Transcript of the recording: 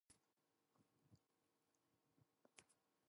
Tabs can be moved between various windows by the user.